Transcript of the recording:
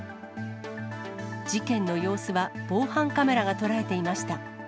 事件の様子は、防犯カメラが捉えていました。